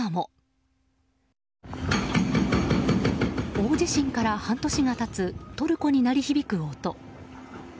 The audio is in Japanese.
大地震から半年が経つトルコに鳴り響く音。